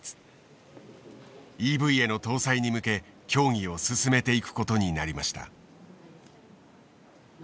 ＥＶへの搭載に向け協議を進めていくことになりました。